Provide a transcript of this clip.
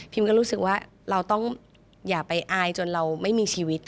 ก็รู้สึกว่าเราต้องอย่าไปอายจนเราไม่มีชีวิต